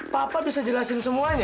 papa bisa jelasin semuanya